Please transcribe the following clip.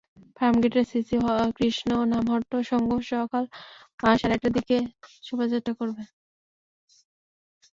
ফার্মগেটের শ্রীশ্রী হরে কৃষ্ণ নামহট্ট সংঘ সকাল সাড়ে আটটায় শোভাযাত্রা করবে।